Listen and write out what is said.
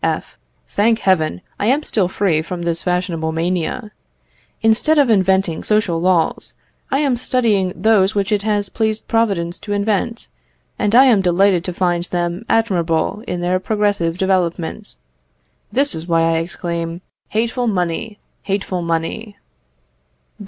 F. Thank heaven, I am still free from this fashionable mania. Instead of inventing social laws, I am studying those which it has pleased Providence to invent, and I am delighted to find them admirable in their progressive development. This is why I exclaim, "Hateful money! hateful money!"